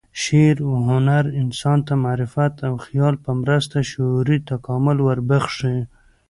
شعر و هنر انسان ته د معرفت او خیال په مرسته شعوري تکامل وربخښي.